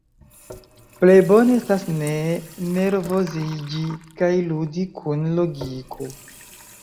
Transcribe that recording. Plej bone estas ne nervoziĝi kaj ludi kun logiko.